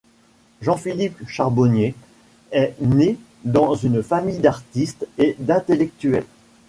Jean-Philippe Charbonnier est né dans une famille d'artistes et d'intellectuels.